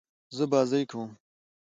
زه بازۍ کوم.